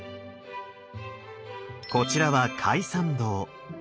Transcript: こちらは開山堂。